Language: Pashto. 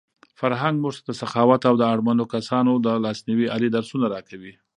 فرهنګ موږ ته د سخاوت او د اړمنو کسانو د لاسنیوي عالي درسونه راکوي.